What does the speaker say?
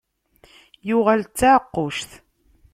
Yuɣal d taɛeqquct.